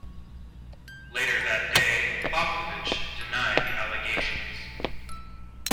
Later that day Popovych denied the allegations.